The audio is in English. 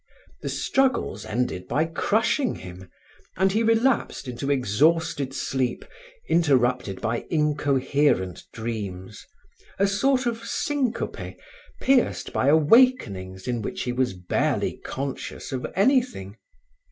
The struggles ended by crushing him, and he relapsed into exhausted sleep interrupted by incoherent dreams, a sort of syncope pierced by awakenings in which he was barely conscious of anything.